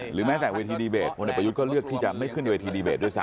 แม้แต่เวทีดีเบตพลเอกประยุทธ์ก็เลือกที่จะไม่ขึ้นในเวทีดีเบตด้วยซ